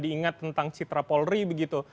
dan diingat tentang citra polri begitu